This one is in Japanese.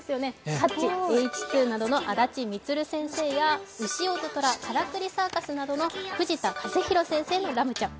「タッチ」、「Ｈ２」などのあだち充先生や「うしおととら」、「からくりサーカス」などの藤田和日郎先生のラムちゃん。